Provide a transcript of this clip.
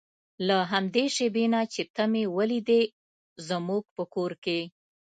له همدې شېبې نه چې ته مې ولیدې زموږ په کور کې.